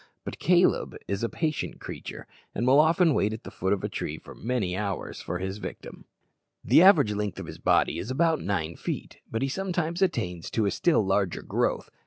But "Caleb" is a patient creature, and will often wait at the foot of the tree for many hours for his victim. The average length of his body is about nine feet, but he sometimes attains to a still larger growth.